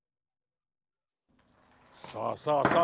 さあさあさあ